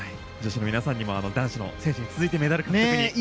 女子の皆さんにも男子の選手に続いてメダル獲得に。